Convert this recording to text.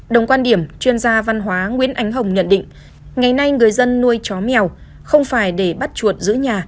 đồng quan điểm chuyên gia văn hóa nguyễn ánh hồng nhận định ngày nay người dân nuôi chó mèo không phải để bắt chuột giữ nhà